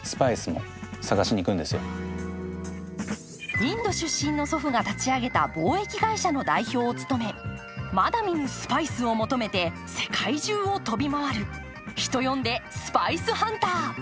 インド出身の祖父が立ち上げた貿易会社の代表を務めまだ見ぬスパイスを求めて世界中を飛び回る、人呼んでスパイスハンター。